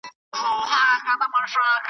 او سره له هغه چي په لویو .